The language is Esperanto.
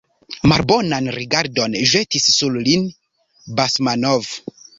Malbonan rigardon ĵetis sur lin Basmanov.